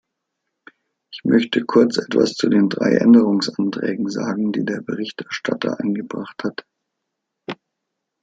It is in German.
Ich möchte kurz etwas zu den drei Änderungsanträgen sagen, die der Berichterstatter eingebracht hat.